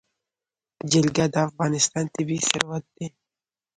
جلګه د افغانستان طبعي ثروت دی.